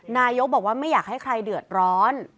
นายกบอกว่าไม่อยากให้ใครเดือดร้อน